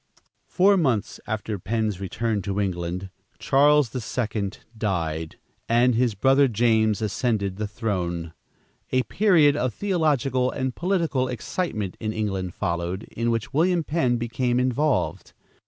Four months after Penn's return to England, Charles the Second died, and his brother James ascended the throne. A period of theological and political excitement in England followed, in which William Penn became involved.